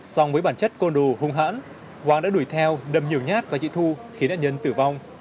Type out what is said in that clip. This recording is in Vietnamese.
song với bản chất côn đồ hung hãn hoàng đã đuổi theo đầm nhiều nhát và chị thu khiến nạn nhân tử vong